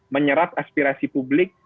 menyerap aspirasi publik